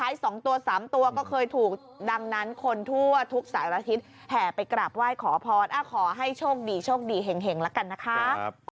แห่งแล้วกันนะคะ